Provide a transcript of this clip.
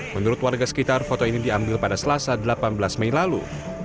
menurut warga sekitar foto ini diambil pada selasa delapan belas mei lalu